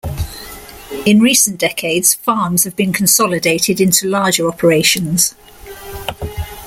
In recent decades, farms have been consolidated into larger operations.